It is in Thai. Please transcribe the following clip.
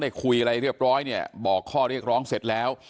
คุยอะไรเรียบร้อยเนี่ยบอกข้อเรียกร้องเสร็จแล้ว